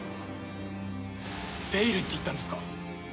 ベイルって言ったんですか！？